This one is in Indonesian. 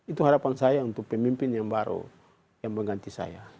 itu harapan saya untuk pemimpin yang baru yang mengganti saya